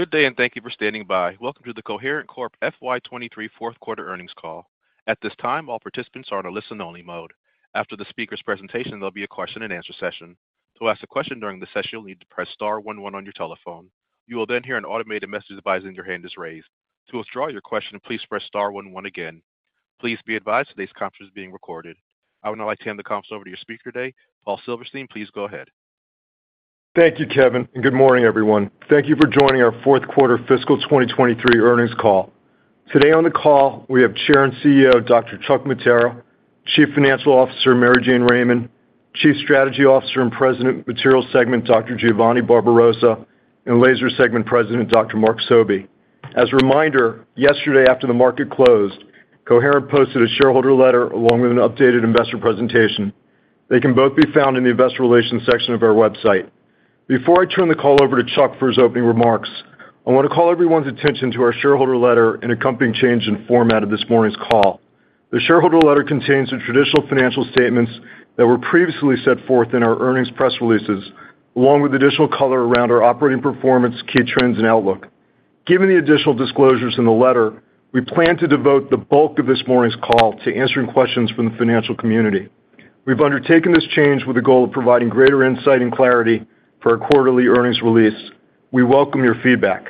Good day, thank you for standing by. Welcome to the Coherent Corp FY23 fourth quarter earnings call. At this time, all participants are in a listen-only mode. After the speaker's presentation, there'll be a question-and-answer session. To ask a question during the session, you'll need to press star one one on your telephone. You will then hear an automated message advising your hand is raised. To withdraw your question, please press star one one again. Please be advised today's conference is being recorded. I would now like to hand the conference over to your speaker today, Paul Silverstein. Please go ahead. Thank you, Kevin, and good morning, everyone. Thank you for joining our fourth quarter fiscal 2023 earnings call. Today on the call, we have Chair and CEO, Dr. Chuck Mattera, Chief Financial Officer, Mary Jane Raymond, Chief Strategy Officer and President, Materials Segment, Dr. Giovanni Barbarossa, and Laser Segment President, Dr. Mark Sobey. As a reminder, yesterday, after the market closed, Coherent posted a shareholder letter along with an updated investor presentation. They can both be found in the investor relations section of our website. Before I turn the call over to Chuck for his opening remarks, I want to call everyone's attention to our shareholder letter and accompanying change in format of this morning's call. The shareholder letter contains the traditional financial statements that were previously set forth in our earnings press releases, along with additional color around our operating performance, key trends, and outlook. Given the additional disclosures in the letter, we plan to devote the bulk of this morning's call to answering questions from the financial community. We've undertaken this change with the goal of providing greater insight and clarity for our quarterly earnings release. We welcome your feedback.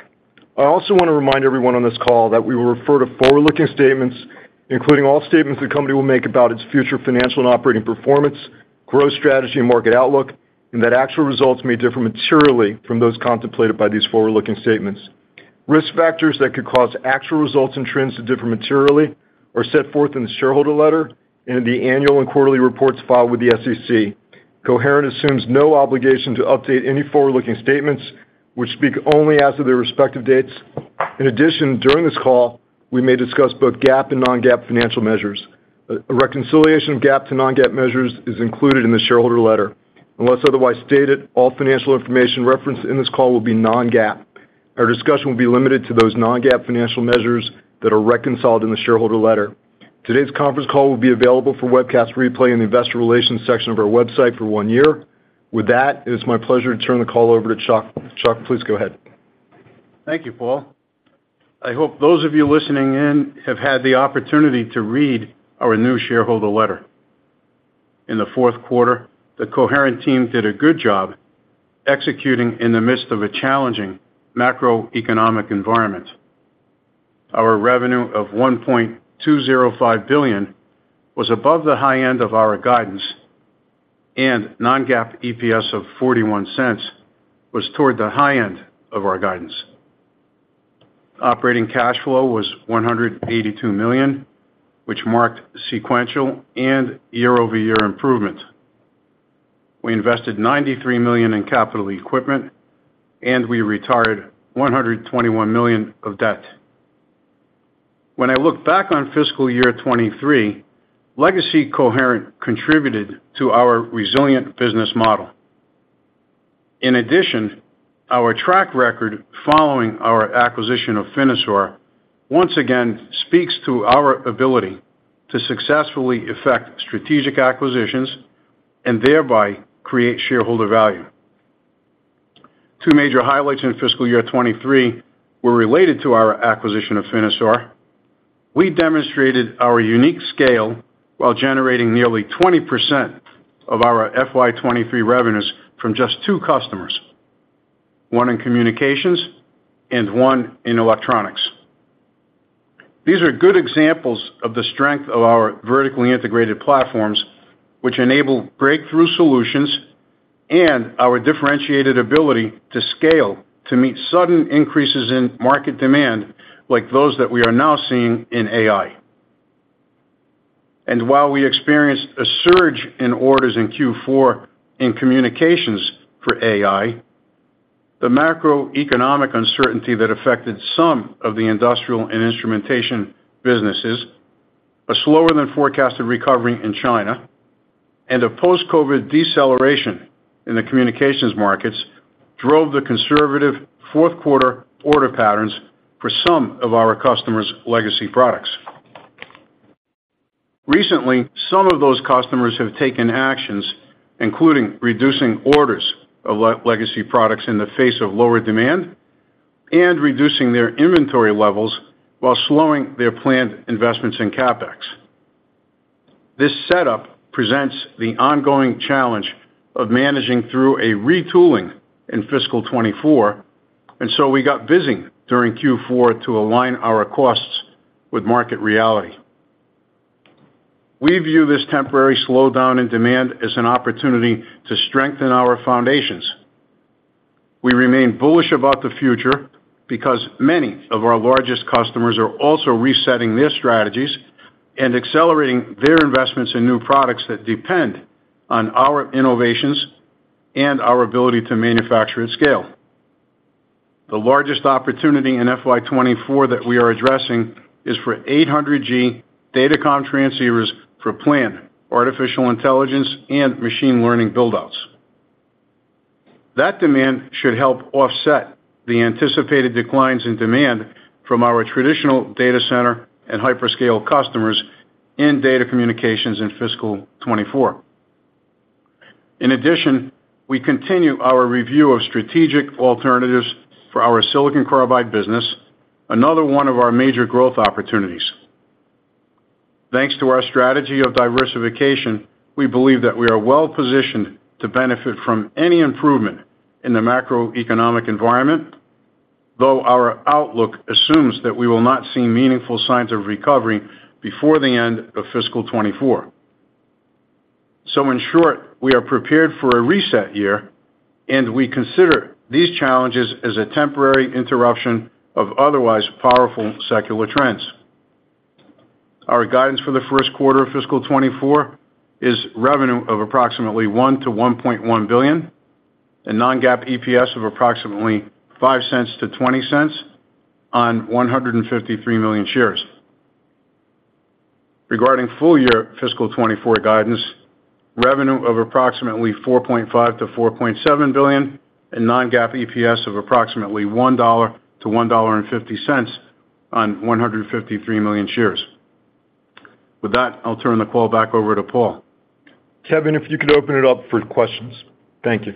I also want to remind everyone on this call that we will refer to forward-looking statements, including all statements the company will make about its future financial and operating performance, growth, strategy, and market outlook, and that actual results may differ materially from those contemplated by these forward-looking statements. Risk factors that could cause actual results and trends to differ materially are set forth in the shareholder letter and in the annual and quarterly reports filed with the SEC. Coherent assumes no obligation to update any forward-looking statements which speak only as of their respective dates. In addition, during this call, we may discuss both GAAP and non-GAAP financial measures. A reconciliation of GAAP to non-GAAP measures is included in the shareholder letter. Unless otherwise stated, all financial information referenced in this call will be non-GAAP. Our discussion will be limited to those non-GAAP financial measures that are reconciled in the shareholder letter. Today's conference call will be available for webcast replay in the investor relations section of our website for one year. With that, it is my pleasure to turn the call over to Chuck. Chuck, please go ahead. Thank you, Paul. I hope those of you listening in have had the opportunity to read our new shareholder letter. In the fourth quarter, the Coherent team did a good job executing in the midst of a challenging macroeconomic environment. Our revenue of $1.205 billion was above the high end of our guidance, and non-GAAP EPS of $0.41 was toward the high end of our guidance. Operating cash flow was $182 million, which marked sequential and year-over-year improvement. We invested $93 million in capital equipment, and we retired $121 million of debt. When I look back on fiscal year 2023, Coherent, Inc. contributed to our resilient business model. In addition, our track record following our acquisition of Finisar once again speaks to our ability to successfully effect strategic acquisitions and thereby create shareholder value. Two major highlights in fiscal year 2023 were related to our acquisition of Finisar. We demonstrated our unique scale while generating nearly 20% of our FY23 revenues from just two customers, one in communications and one in electronics. These are good examples of the strength of our vertically integrated platforms, which enable breakthrough solutions and our differentiated ability to scale to meet sudden increases in market demand, like those that we are now seeing in AI. While we experienced a surge in orders in Q4 in communications for AI, the macroeconomic uncertainty that affected some of the industrial and instrumentation businesses, a slower than forecasted recovery in China, and a post-COVID deceleration in the communications markets drove the conservative fourth quarter order patterns for some of our customers' legacy products. Recently, some of those customers have taken actions, including reducing orders of le-legacy products in the face of lower demand and reducing their inventory levels while slowing their planned investments in CapEx. This setup presents the ongoing challenge of managing through a retooling in FY24, and so we got busy during Q4 to align our costs with market reality. We view this temporary slowdown in demand as an opportunity to strengthen our foundations. We remain bullish about the future because many of our largest customers are also resetting their strategies and accelerating their investments in new products that depend on our innovations and our ability to manufacture at scale. The largest opportunity in FY24 that we are addressing is for 800G datacom transceivers for planned artificial intelligence and machine learning build-outs. That demand should help offset the anticipated declines in demand from our traditional data center and hyperscale customers in data communications in fiscal 2024. In addition, we continue our review of strategic alternatives for our silicon carbide business, another one of our major growth opportunities. Thanks to our strategy of diversification, we believe that we are well-positioned to benefit from any improvement in the macroeconomic environment, though our outlook assumes that we will not see meaningful signs of recovery before the end of fiscal 2024. In short, we are prepared for a reset year, and we consider these challenges as a temporary interruption of otherwise powerful secular trends. Our guidance for the first quarter of fiscal 2024 is revenue of approximately $1 billion-$1.1 billion, and non-GAAP EPS of approximately $0.05-$0.20 on 153 million shares. Regarding full year FY24 guidance, revenue of approximately $4.5 billion-$4.7 billion, and non-GAAP EPS of approximately $1.00-$1.50 on 153 million shares. With that, I'll turn the call back over to Paul. Kevin, if you could open it up for questions. Thank you.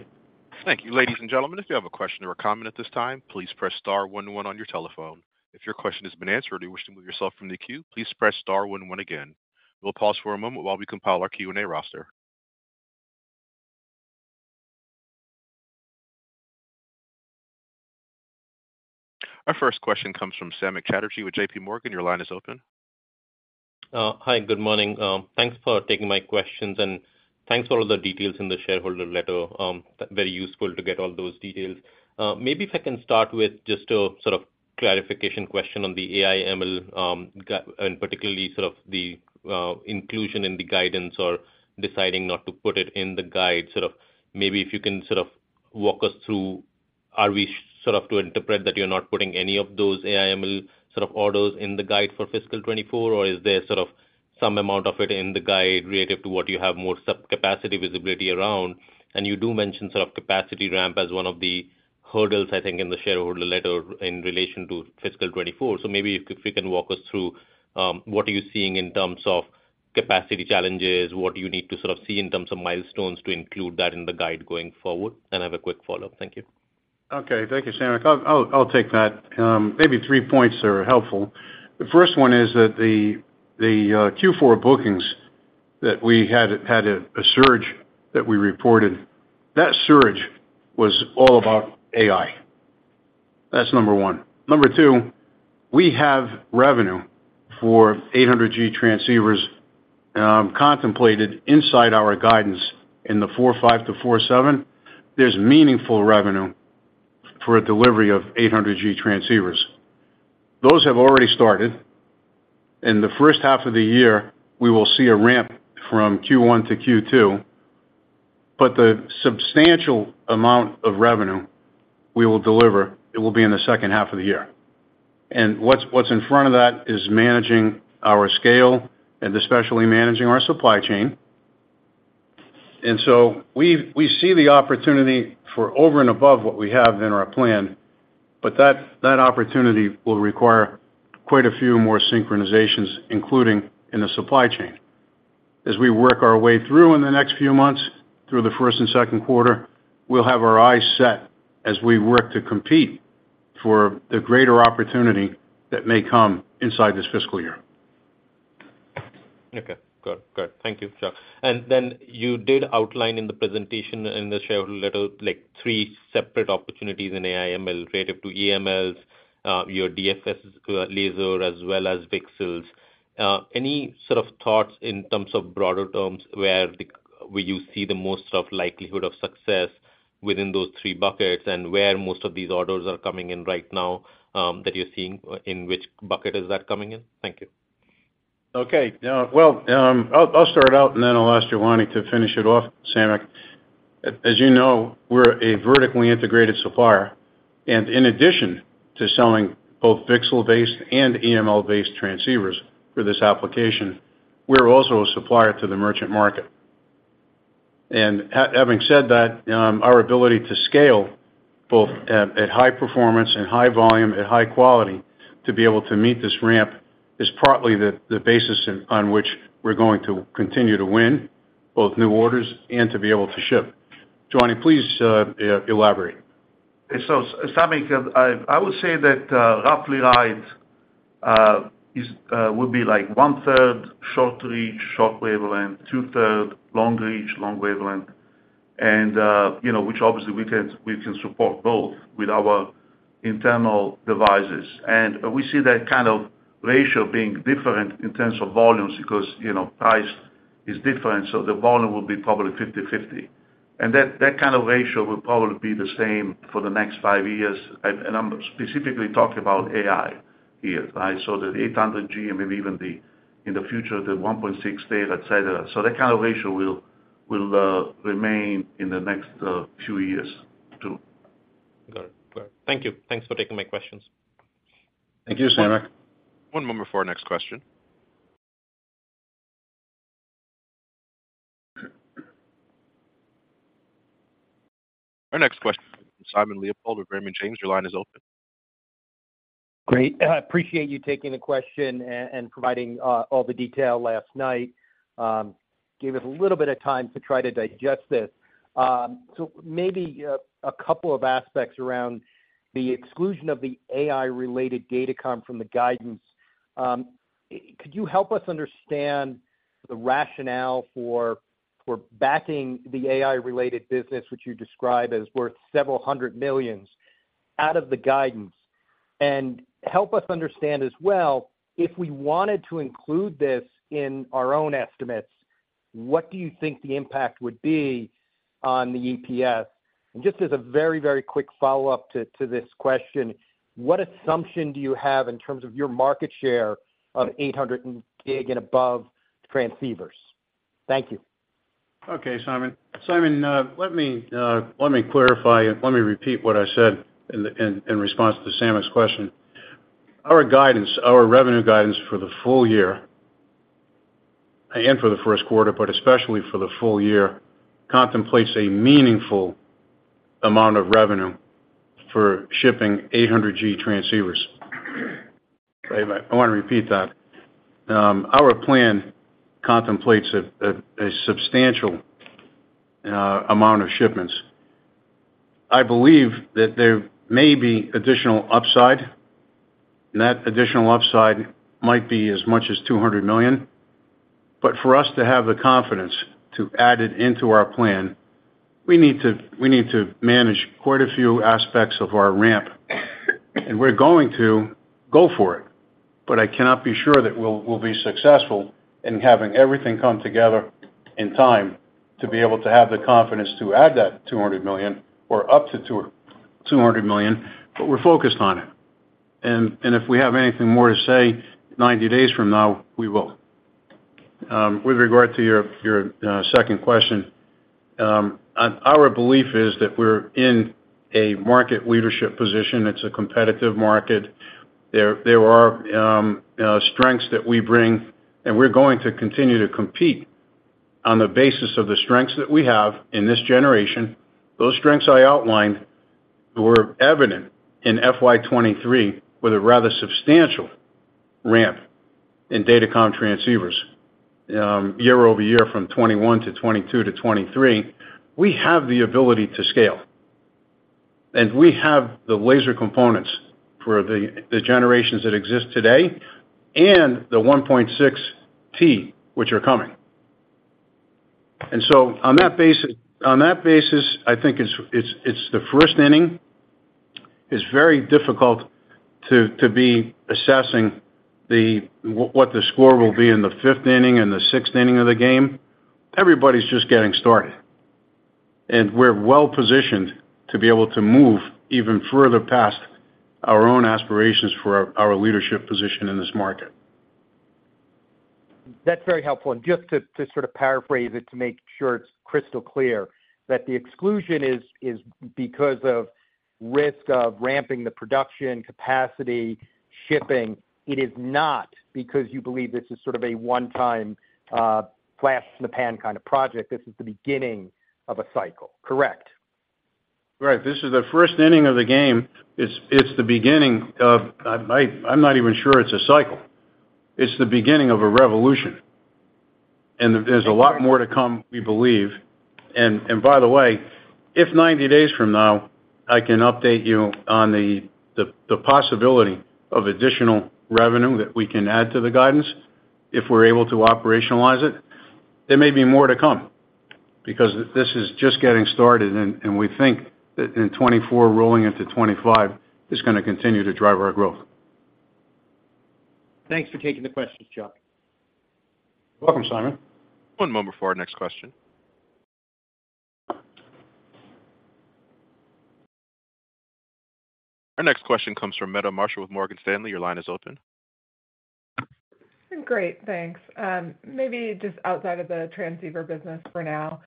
Thank you. Ladies and gentlemen, if you have a question or a comment at this time, please press star one one on your telephone. If your question has been answered, or you wish to move yourself from the queue, please press star one one again. We'll pause for a moment while we compile our Q&A roster. Our first question comes from Samik Chatterjee with JP Morgan. Your line is open. Hi, good morning. Thanks for taking my questions, and thanks for all the details in the shareholder letter. Very useful to get all those details. Maybe if I can start with just a sort of clarification question on the AI/ML guide, and particularly sort of the inclusion in the guidance or deciding not to put it in the guide. Sort of maybe if you can sort of walk us through, are we sort of to interpret that you're not putting any of those AI/ML sort of orders in the guide for fiscal 24? Or is there sort of some amount of it in the guide relative to what you have more sub-capacity visibility around? You do mention sort of capacity ramp as one of the hurdles, I think, in the shareholder letter in relation to fiscal 24. Maybe if you can walk us through, what are you seeing in terms of capacity challenges, what do you need to sort of see in terms of milestones to include that in the guide going forward? I have a quick follow-up. Thank you. Okay. Thank you, Samik. I'll take that. Maybe three points are helpful. The first one is that the, the Q4 bookings that we had, had a, a surge that we reported, that surge was all about AI. That's number one. Number two, we have revenue for 800G transceivers contemplated inside our guidance in the $4.5-$4.7. There's meaningful revenue for a delivery of 800G transceivers. Those have already started. In the first half of the year, we will see a ramp from Q1-Q2, the substantial amount of revenue we will deliver, it will be in the second half of the year. What's, what's in front of that is managing our scale and especially managing our supply chain. We, we see the opportunity for over and above what we have in our plan, but that, that opportunity will require quite a few more synchronizations, including in the supply chain. As we work our way through in the next few months, through the first and second quarter, we'll have our eyes set as we work to compete for the greater opportunity that may come inside this fiscal year. Okay, good. Good. Thank you, Chuck. Then you did outline in the presentation in the shareholder letter, like, three separate opportunities in AI/ML relative to EMLs, your DFB laser, as well as VCSELs. Any sort of thoughts in terms of broader terms, where you see the most of likelihood of success within those three buckets? Where most of these orders are coming in right now, that you're seeing, in which bucket is that coming in? Thank you. Okay. Well, I'll, I'll start out, and then I'll ask Giovanni to finish it off, Samik. As you know, we're a vertically integrated supplier, and in addition to selling both VCSEL-based and EML-based transceivers for this application, we're also a supplier to the merchant market. Having said that, our ability to scale both at, at high performance and high volume and high quality to be able to meet this ramp, is partly the, the basis on which we're going to continue to win both new orders and to be able to ship. Giovanni, please, elaborate. Samik, I, I would say that, roughly right, would be like 1/3 short reach, short wavelength, 2/3 long reach, long wavelength, and, you know, which obviously we can, we can support both with our internal devices. We see that kind of ratio being different in terms of volumes because, you know, price is different, so the volume will be probably 50/50. That, that kind of ratio will probably be the same for the next five years. I'm specifically talking about AI here, right? The 800G and maybe even the, in the future, the 1.6T, et cetera. That kind of ratio will, will remain in the next few years, too. Got it. Got it. Thank you. Thanks for taking my questions. Thank you, Samik. One moment before our next question. Our next question, Simon Leopold with Raymond James. Your line is open. Great. I appreciate you taking the question and providing all the detail last night. Gave us a little bit of time to try to digest this. So maybe a couple of aspects around the exclusion of the AI-related datacom from the guidance. Could you help us understand the rationale for backing the AI-related business, which you describe as worth $several hundred million out of the guidance? Help us understand as well, if we wanted to include this in our own estimates, what do you think the impact would be on the EPS? Just as a very, very quick follow-up to this question, what assumption do you have in terms of your market share of 800G and above transceivers? Thank you. Okay, Simon. Simon, let me, let me clarify. Let me repeat what I said in, in, in response to Samik's question. Our guidance, our revenue guidance for the full year, and for the first quarter, but especially for the full year, contemplates a meaningful amount of revenue for shipping 800G transceivers. I wanna repeat that. Our plan contemplates a, a, a substantial amount of shipments. I believe that there may be additional upside, and that additional upside might be as much as $200 million. For us to have the confidence to add it into our plan, we need to, we need to manage quite a few aspects of our ramp, and we're going to go for it. But I cannot be sure that we'll, we'll be successful in having everything come together in time to be able to have the confidence to add that $200 million or up to $200 million, but we're focused on it. If we have anything more to say 90 days from now, we will. With regard to your, your second question, our belief is that we're in a market leadership position. It's a competitive market. There, there are strengths that we bring, and we're going to continue to compete on the basis of the strengths that we have in this generation. Those strengths I outlined were evident in FY23, with a rather substantial ramp in datacom transceivers, year-over-year, from 2021-2022-2023. We have the ability to scale, and we have the laser components for the, the generations that exist today and the 1.6T, which are coming. On that basis, on that basis, I think it's, it's, it's the first inning. It's very difficult to, to be assessing what the score will be in the fifth inning and the sixth inning of the game. Everybody's just getting started, we're well-positioned to be able to move even further past our own aspirations for our leadership position in this market. That's very helpful. Just to, to sort of paraphrase it, to make sure it's crystal clear, that the exclusion is, is because of risk of ramping the production, capacity, shipping. It is not because you believe this is sort of a one-time, flash in the pan kind of project. This is the beginning of a cycle, correct? Right. This is the first inning of the game. It's the beginning of... I'm not even sure it's a cycle. It's the beginning of a revolution, and there's a lot more to come, we believe. By the way, if 90 days from now, I can update you on the, the, the possibility of additional revenue that we can add to the guidance, if we're able to operationalize it, there may be more to come, because this is just getting started, and we think that in 2024, rolling into 2025, is gonna continue to drive our growth. Thanks for taking the question, Chuck. You're welcome, Simon. One moment before our next question. Our next question comes from Meta Marshall with Morgan Stanley. Your line is open. Great, thanks. Maybe just outside of the transceiver business for now.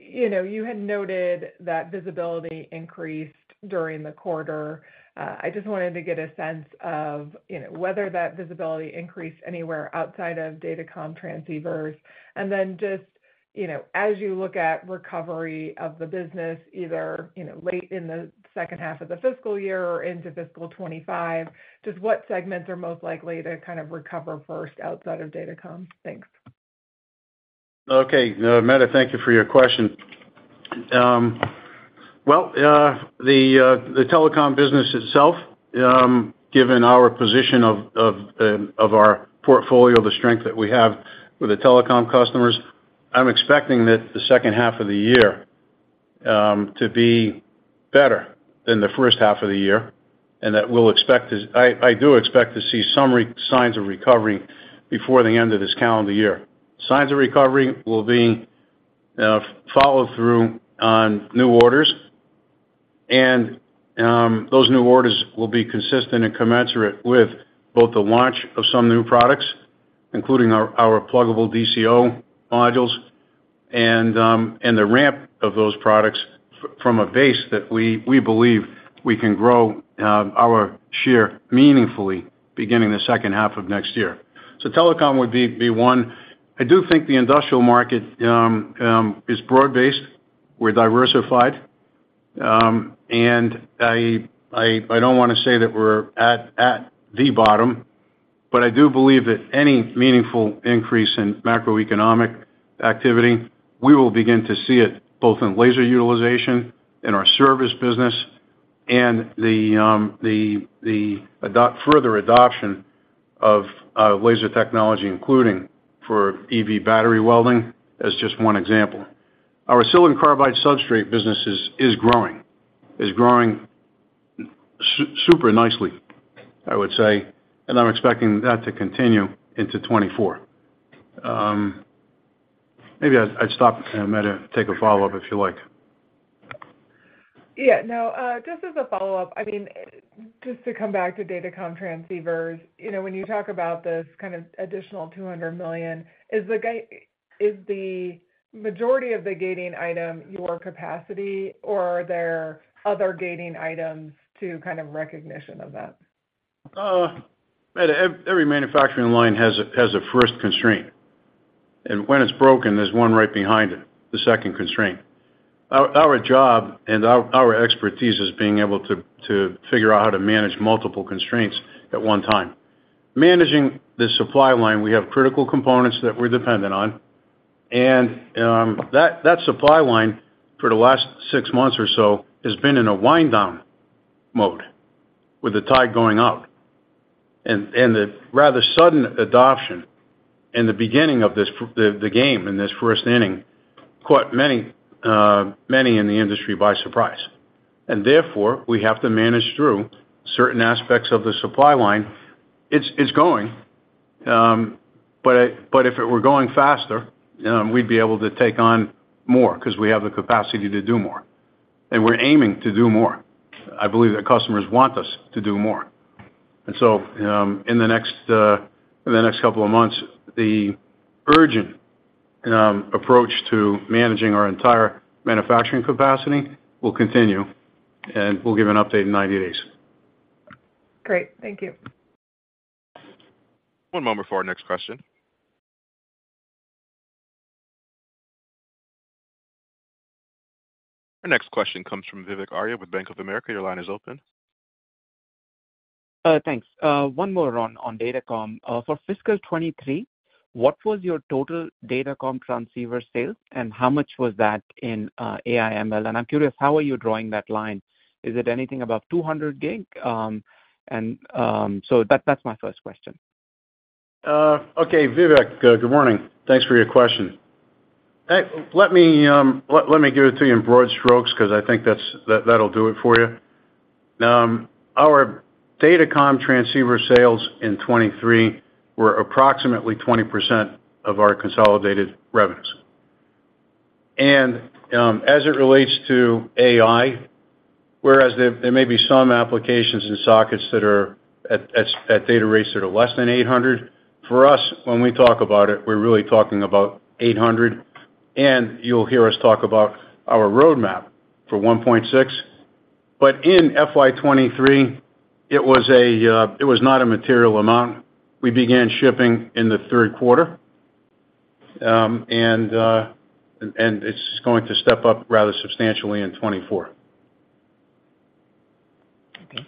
You know, you had noted that visibility increased during the quarter. I just wanted to get a sense of, you know, whether that visibility increased anywhere outside of datacom transceivers. You know, as you look at recovery of the business, either, you know, late in the second half of the fiscal year or into fiscal 2025, just what segments are most likely to kind of recover first outside of datacom? Thanks. Okay. Meta, thank you for your question. Well, the telecom business itself, given our position of, of our portfolio, the strength that we have with the telecom customers, I'm expecting that the second half of the year to be better than the first half of the year, and that we'll expect to I, I do expect to see some signs of recovery before the end of this calendar year. Signs of recovery will be follow through on new orders, and those new orders will be consistent and commensurate with both the launch of some new products, including our, our pluggable DCO modules, and the ramp of those products from a base that we, we believe we can grow our share meaningfully beginning the second half of next year. Telecom would be, be one. I do think the industrial market is broad-based, we're diversified. I don't wanna say that we're at, at the bottom, but I do believe that any meaningful increase in macroeconomic activity, we will begin to see it both in laser utilization, in our service business, and the further adoption of laser technology, including for EV battery welding, as just one example. Our silicon carbide substrate business is, is growing. Is growing super nicely, I would say, and I'm expecting that to continue into 2024. Maybe I'd, I'd stop, and Meta, take a follow-up, if you like. Yeah, no, just as a follow-up, I mean, just to come back to datacom transceivers, you know, when you talk about this kind of additional $200 million, is the majority of the gating item your capacity, or are there other gating items to kind of recognition of that? Meta, every manufacturing line has a first constraint, and when it's broken, there's one right behind it, the second constraint. Our job and our expertise is being able to figure out how to manage multiple constraints at one time. Managing the supply line, we have critical components that we're dependent on, that supply line, for the last SIX months or so, has been in a wind down mode, with the tide going out. The rather sudden adoption in the beginning of this the game, in this first inning, caught many, many in the industry by surprise. Therefore, we have to manage through certain aspects of the supply line. It's, it's going, but if it were going faster, we'd be able to take on more, 'cause we have the capacity to do more, and we're aiming to do more. I believe that customers want us to do more. In the next couple of months, the urgent approach to managing our entire manufacturing capacity will continue, and we'll give an update in 90 days. Great. Thank you. One moment for our next question. Our next question comes from Vivek Arya with Bank of America. Your line is open. Thanks. One more, on, on datacom. For fiscal 2023, what was your total datacom transceiver sales, and how much was that in AI/ML? I'm curious, how are you drawing that line? Is it anything above 200G? That's my first question. Okay, Vivek, good morning. Thanks for your question. Let me, let me give it to you in broad strokes, 'cause I think that's that, that'll do it for you. Our datacom transceiver sales in FY23 were approximately 20% of our consolidated revenues. As it relates to AI, whereas there may be some applications and sockets that are at data rates that are less than 800, for us, when we talk about it, we're really talking about 800, and you'll hear us talk about our roadmap for 1.6. In FY23, it was not a material amount. We began shipping in the third quarter, and it's going to step up rather substantially in FY24. Okay.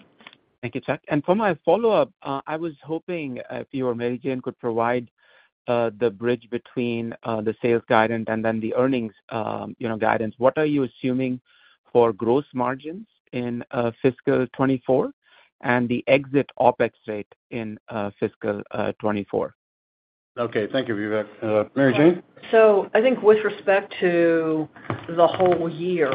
Thank you, Chuck. For my follow-up, I was hoping if you or Mary Jane could provide the bridge between the sales guidance and then the earnings, you know, guidance. What are you assuming for gross margins in fiscal FY24, and the exit OpEx rate in fiscal FY24? Okay, thank you, Vivek. Mary Jane? I think with respect to the whole year,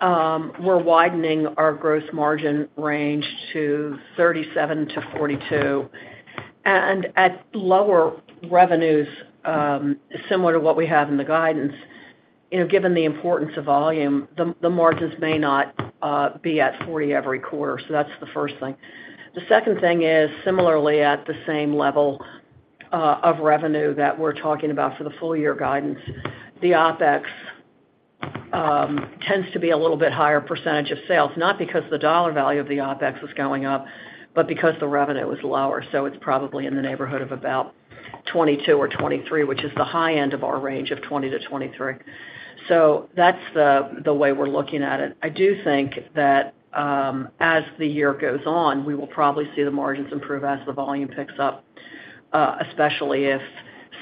we're widening our gross margin range to 37%-42%. At lower revenues, similar to what we have in the guidance, you know, given the importance of volume, the, the margins may not be at 40 every quarter. That's the first thing. The second thing is, similarly, at the same level of revenue that we're talking about for the full year guidance, the OpEx tends to be a little bit higher percentage of sales, not because the dollar value of the OpEx is going up, but because the revenue is lower. It's probably in the neighborhood of about 22% or 23%, which is the high end of our range of 20%-23%. That's the, the way we're looking at it. I do think that, as the year goes on, we will probably see the margins improve as the volume picks up, especially if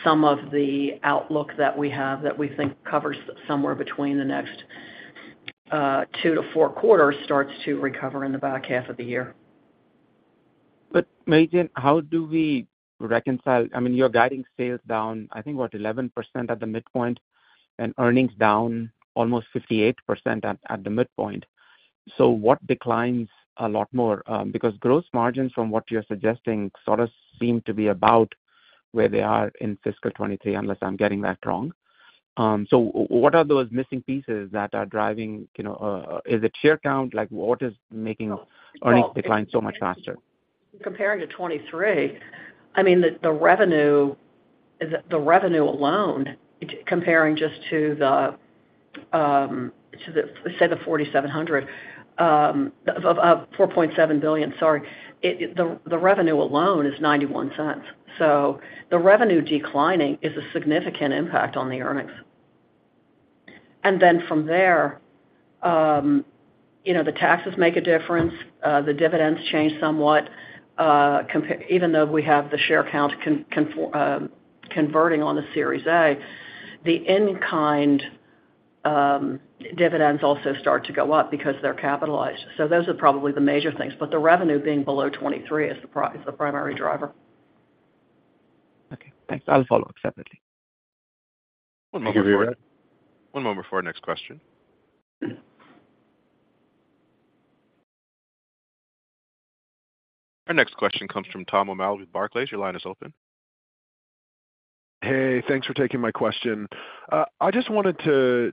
some of the outlook that we have that we think covers somewhere between the next 2 to 4 quarters, starts to recover in the back half of the year. Mary Jane, how do we reconcile, I mean, you're guiding sales down, I think, what? 11% at the midpoint, and earnings down almost 58% at, at the midpoint. What declines a lot more? Because gross margins, from what you're suggesting, sort of seem to be about where they are in fiscal '23, unless I'm getting that wrong. What are those missing pieces that are driving, you know, Is it share count? Like, what is making earnings decline so much faster? Comparing to 2023, I mean, the revenue alone, comparing just to the, to the $4.7 billion, sorry. The revenue alone is $0.91. The revenue declining is a significant impact on the earnings. From there, you know, the taxes make a difference, the dividends change somewhat, even though we have the share count converting on the Series A, the in-kind dividends also start to go up because they're capitalized. Those are probably the major things, but the revenue being below 2023 is the primary driver. Okay, thanks. I'll follow up separately. One moment before our next question. Our next question comes from Tom O'Malley with Barclays. Your line is open. Hey, thanks for taking my question. I just wanted to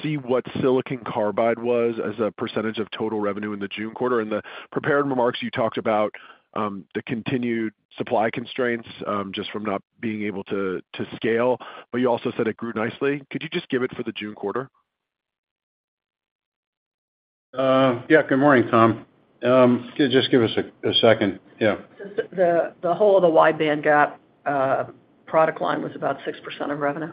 see what silicon carbide was as a percentage of total revenue in the June quarter. In the prepared remarks, you talked about the continued supply constraints just from not being able to scale, but you also said it grew nicely. Could you just give it for the June quarter? Yeah, good morning, Tom. Just give us a second. Yeah. The whole of the wide bandgap product line was about 6% of revenue.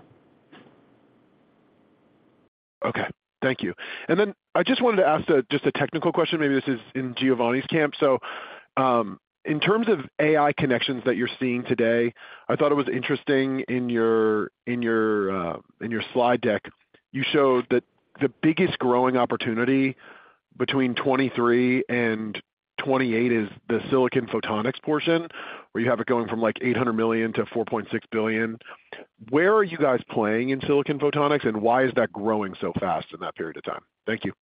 Okay, thank you. I just wanted to ask a just a technical question. Maybe this is in Giovanni's camp. In terms of AI connections that you're seeing today, I thought it was interesting in your, in your, in your slide deck, you showed that the biggest growing opportunity between 2023 and 2028 is the silicon photonics portion, where you have it going from, like, $800 million to $4.6 billion. Where are you guys playing in silicon photonics, and why is that growing so fast in that period of time? Thank you.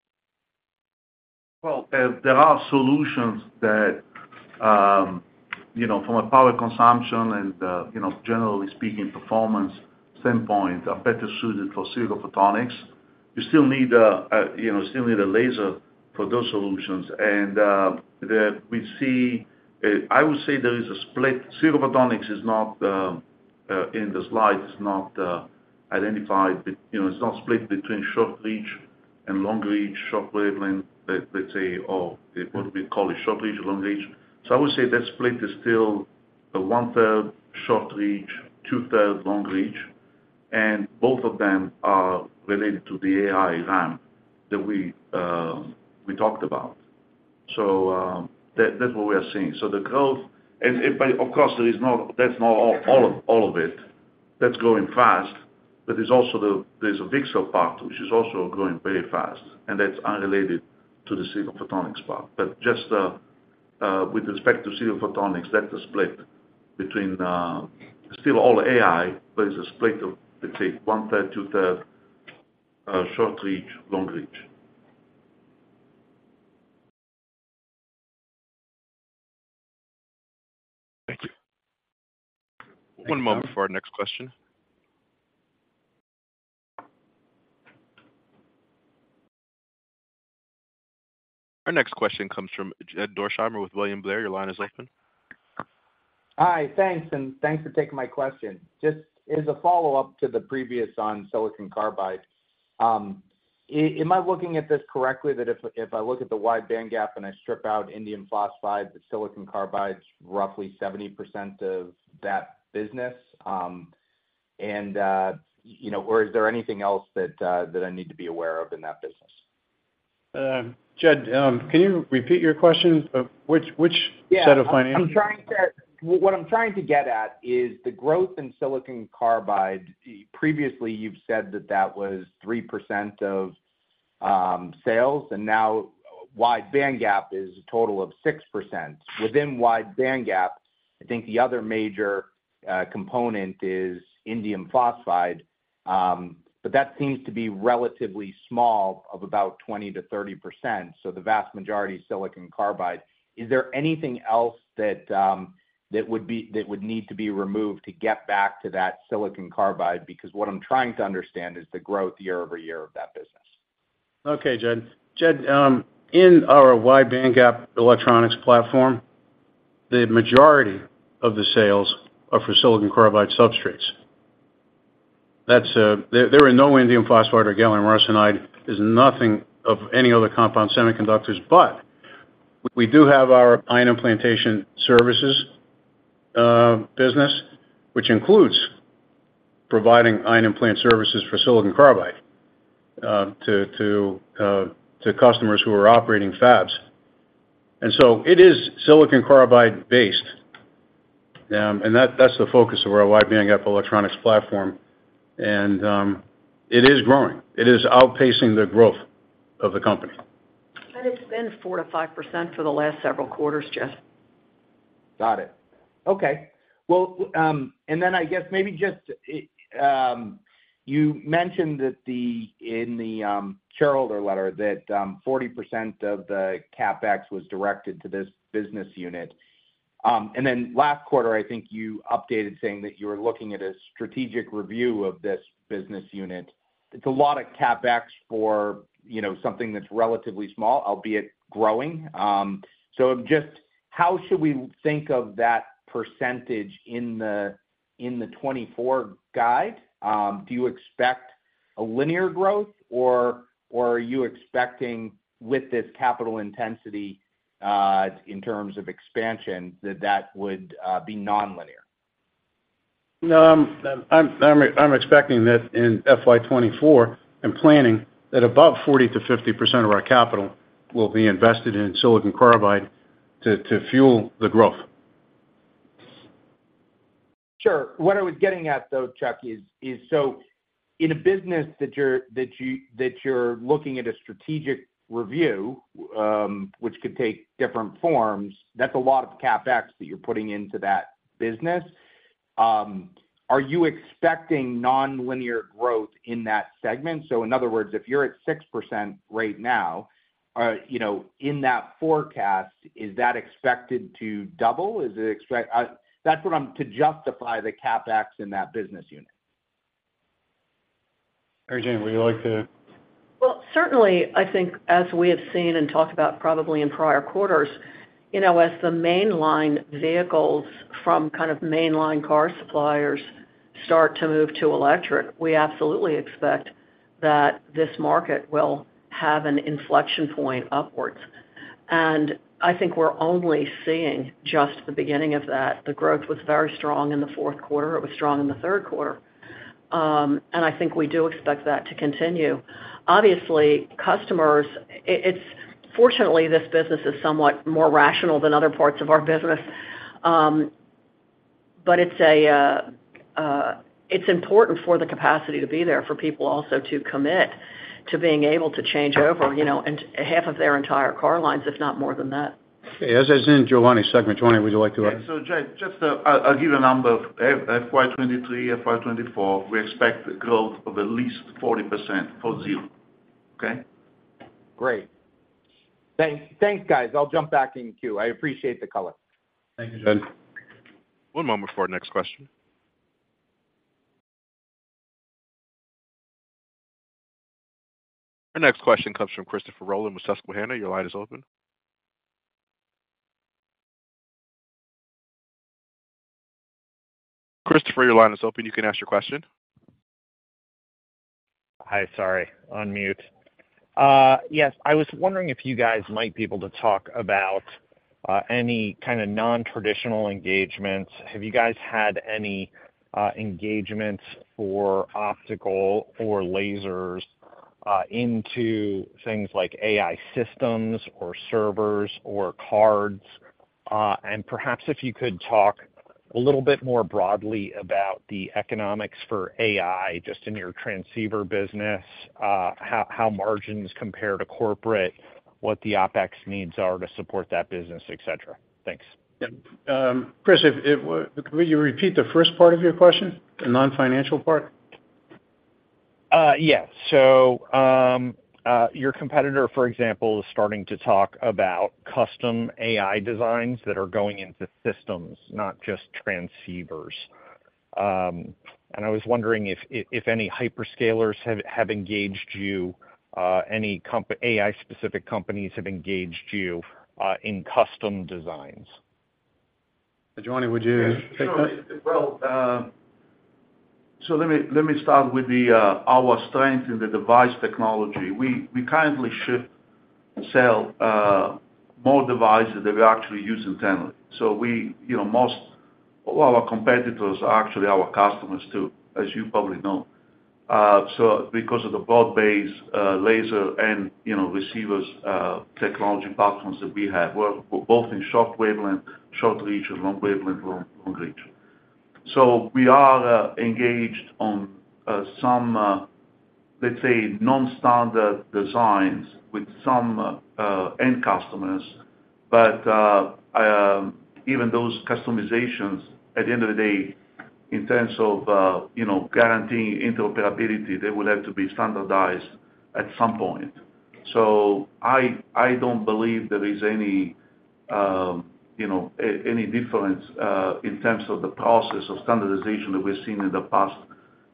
Well, there are solutions that, you know, from a power consumption and, you know, generally speaking, performance standpoint, are better suited for silicon photonics. You still need a, you know, still need a laser for those solutions. We see, I would say there is a split. Silicon photonics is not, in the slide, it's not identified. You know, it's not split between short reach and long reach, short wavelength, let's say, or what we call a short reach, long reach. I would say that split is still a one-third short reach, two-third long reach, and both of them are related to the AI ramp that we talked about. That's what we are seeing. The growth... And by of course, there is not that's not all, all of, all of it. That's growing fast, but there's also there's a VCSEL part, which is also growing very fast, and that's unrelated to the silicon photonics part. Just, with respect to silicon photonics, that's a split between, still all AI, but it's a split of, let's say, one third, two-third, short reach, long reach. Thank you. One moment for our next question. Our next question comes from Jed Dorsheimer with William Blair. Your line is open. Hi, thanks, and thanks for taking my question. Just as a follow-up to the previous on silicon carbide, am I looking at this correctly, that if, if I look at the wide bandgap and I strip out indium phosphide, the silicon carbide is roughly 70% of that business, and, you know? Or is there anything else that I need to be aware of in that business? Jed, can you repeat your question? Yeah. Set of financials? What I'm trying to get at is the growth in silicon carbide. Previously, you've said that that was 3% of sales, and now wide bandgap is a total of 6%. Within wide bandgap, I think the other major component is indium phosphide, but that seems to be relatively small, of about 20%-30%, so the vast majority is silicon carbide. Is there anything else that would need to be removed to get back to that silicon carbide? Because what I'm trying to understand is the growth year-over-year of that business. Okay, Jed. Jed, in our wide bandgap electronics platform, the majority of the sales are for silicon carbide substrates. That's, there, there are no indium phosphide or gallium arsenide. There's nothing of any other compound semiconductors, but we do have our ion implantation services business, which includes providing ion implant services for silicon carbide to, to, to customers who are operating fabs. It is silicon carbide based, and that's the focus of our wide bandgap electronics platform. It is growing. It is outpacing the growth of the company. It's been 4%-5% for the last several quarters, Jed. Got it. Okay. Well, then I guess maybe just, you mentioned that in the shareholder letter, that 40% of the CapEx was directed to this business unit. Then last quarter, I think you updated saying that you were looking at a strategic review of this business unit. It's a lot of CapEx for, you know, something that's relatively small, albeit growing. Just how should we think of that percentage in the 2024 guide? Do you expect a linear growth, or, or are you expecting with this capital intensity, in terms of expansion, that that would be nonlinear? No, I'm expecting that in FY24, and planning, that above 40%-50% of our capital will be invested in silicon carbide to fuel the growth. Sure. What I was getting at, though, Chuck, is, is so in a business that you're, that you're looking at a strategic review, which could take different forms, that's a lot of CapEx that you're putting into that business. Are you expecting nonlinear growth in that segment? So in other words, if you're at 6% right now, you know, in that forecast, is that expected to double? That's what I'm to justify the CapEx in that business unit. Mary Jane, would you like to? Well, certainly, I think as we have seen and talked about probably in prior quarters, you know, as the mainline vehicles from kind of mainline car suppliers start to move to electric, we absolutely expect that this market will have an inflection point upwards. I think we're only seeing just the beginning of that. The growth was very strong in the fourth quarter. It was strong in the third quarter. I think we do expect that to continue. Obviously, customers, it's fortunately, this business is somewhat more rational than other parts of our business. It's important for the capacity to be there for people also to commit to being able to change over, you know, and half of their entire car lines, if not more than that. Okay. As is in Giovanni, segment, would you like to? Yeah. Jed, just, I'll, I'll give a number of FY23, FY24, we expect growth of at least 40%, four-zero. Okay? Great. Thanks. Thanks, guys. I'll jump back in queue. I appreciate the color. Thank you, Jed. One moment for our next question. Our next question comes from Christopher Rolland with Susquehanna. Your line is open. Christopher, your line is open, you can ask your question. Hi, sorry, on mute. Yes, I was wondering if you guys might be able to talk about any kind of nontraditional engagements. Have you guys had any engagements for optical or lasers into things like AI systems or servers or cards? Perhaps if you could talk a little bit more broadly about the economics for AI, just in your transceiver business, how margins compare to corporate, what the OpEx needs are to support that business, et cetera. Thanks. Yeah. Chris, will you repeat the first part of your question, the non-financial part? Yes. Your competitor, for example, is starting to talk about custom AI designs that are going into systems, not just transceivers. I was wondering if, if, if any hyperscalers have, have engaged you, any comp AI specific companies have engaged you, in custom designs? Giovanni, would you- Yeah, sure. Well, let me, let me start with the, our strength in the device technology. We, we kindly ship and sell, more devices than we actually use internally. We, you know, most of our competitors are actually our customers, too, as you probably know. Because of the broad-based, laser and, you know, receivers, technology platforms that we have, we're both in short wavelength, short reach and long wavelength, long, long reach. We are, engaged on, some, let's say, non-standard designs with some, end customers. Even those customizations, at the end of the day, in terms of, you know, guaranteeing interoperability, they will have to be standardized at some point. I, I don't believe there is any, you know, any difference, in terms of the process of standardization that we've seen in the past,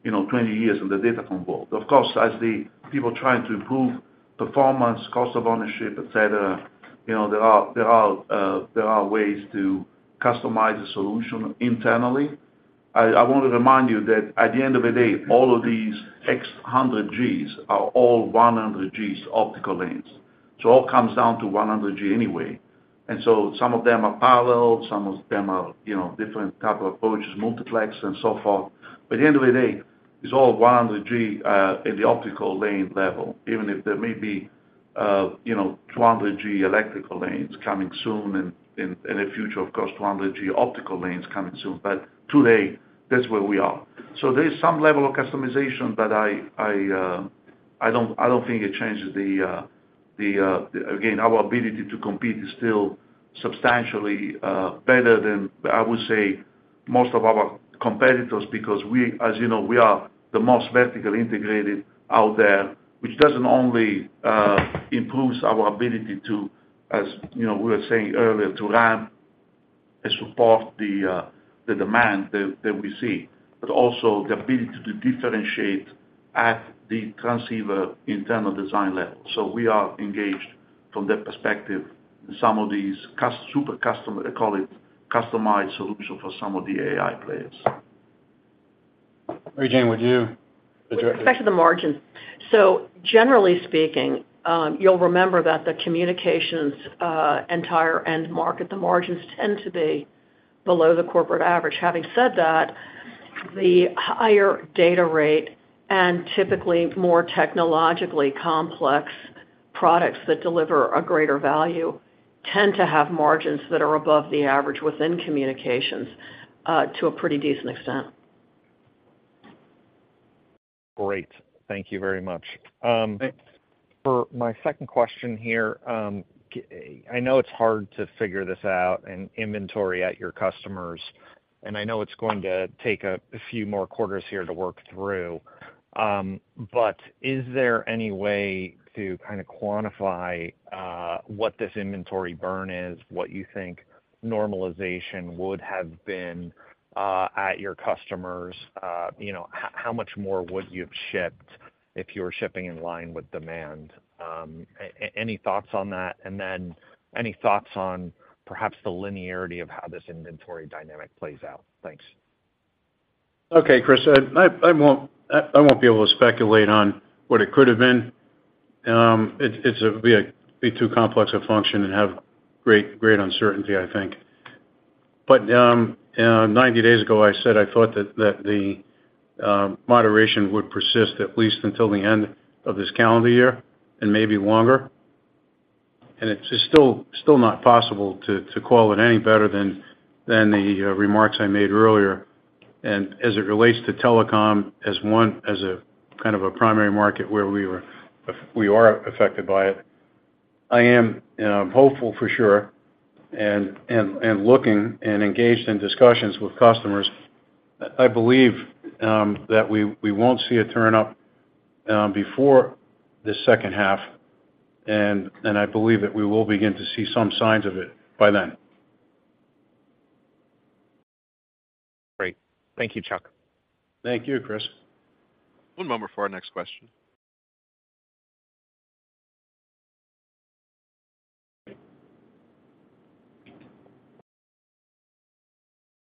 you know, 20 years in the datacom world. Of course, as the people trying to improve performance, cost of ownership, et cetera, you know, there are, there are, there are ways to customize a solution internally. I, I want to remind you that at the end of the day, all of these X hundred Gs are all 100Gs optical lanes. It all comes down to 100G anyway. Some of them are parallel, some of them are, you know, different type of approaches, multiplex and so forth. At the end of the day, it's all 100G in the optical lane level, even if there may be, you know, 200G electrical lanes coming soon, and in, in the future, of course, 200G optical lanes coming soon. Today, that's where we are. There is some level of customization, but I don't, I don't think it changes the, the, again, our ability to compete is still substantially better than, I would say, most of our competitors, because we, as you know, we are the most vertically integrated out there, which doesn't only improves our ability to, as you know, we were saying earlier, to ramp and support the demand that, that we see, but also the ability to differentiate at the transceiver internal design level. We are engaged from that perspective in some of these super customer, they call it customized solution for some of the AI players. Jane, would you With respect to the margins. Generally speaking, you'll remember that the communications, entire end market, the margins tend to be below the corporate average. Having said that, the higher data rate and typically more technologically complex products that deliver a greater value, tend to have margins that are above the average within communications, to a pretty decent extent. Great. Thank you very much. Thanks. For my second question here, I know it's hard to figure this out, and inventory at your customers, and I know it's going to take a few more quarters here to work through, but is there any way to kind of quantify, what this inventory burn is, what you think normalization would have been, at your customers? you know, how, how much more would you have shipped if you were shipping in line with demand? any thoughts on that? Then any thoughts on perhaps the linearity of how this inventory dynamic plays out? Thanks. Okay, Chris,I won't, I won't be able to speculate on what it could have been. It's, it's be too complex a function and have great, great uncertainty, I think. 90 days ago, I said I thought that, that the moderation would persist at least until the end of this calendar year, and maybe longer. It's still, still not possible to, to call it any better than, than the remarks I made earlier. As it relates to telecom, as a kind of a primary market where we are affected by it, I am hopeful for sure, and, and, and looking and engaged in discussions with customers. I believe that we, we won't see a turn-up before this second half, and, and I believe that we will begin to see some signs of it by then. Great. Thank you, Chuck. Thank you, Chris. One moment for our next question.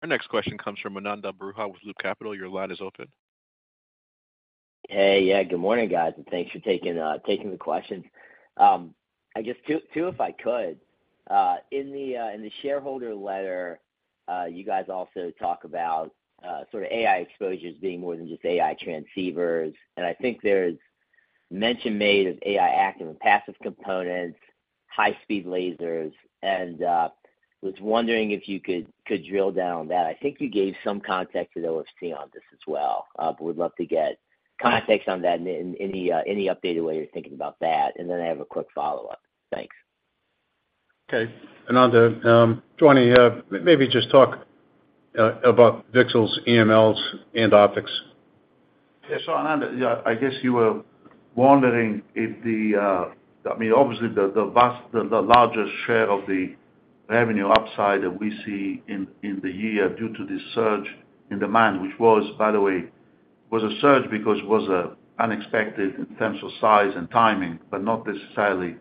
Our next question comes from Ananda Baruah with Loop Capital. Your line is open. Hey, good morning, guys, and thanks for taking taking the questions. I guess two, two, if I could. In the in the shareholder letter, you guys also talk about sort of AI exposures being more than just AI transceivers, and I think there's mention made of AI active and passive components, high-speed lasers, and was wondering if you could could drill down on that. I think you gave some context at OFC on this as well, but would love to get context on that and any any updated way you're thinking about that. Then I have a quick follow-up. Thanks. Okay, Ananda, Giovanni, maybe just talk about VCSELs, EMLs, and optics. Yeah. Ananda, yeah, I guess you were wondering if the, I mean, obviously, the, the largest share of the revenue upside that we see in, in the year due to this surge in demand, which was, by the way, was a surge because it was unexpected in terms of size and timing, but not necessarily